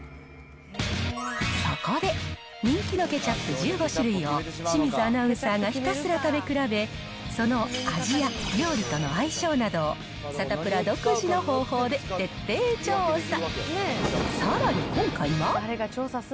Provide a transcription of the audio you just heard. そこで、人気のケチャップ１５種類を、清水アナウンサーがひたすら食べ比べ、その味や料理との相性などを、サタプラ独自の方法で徹底調査。